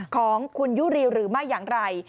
ของคุณยุรีหรือไม่อย่างไร